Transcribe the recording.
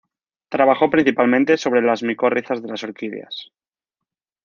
Trabajó principalmente sobre las micorrizas de las orquídeas.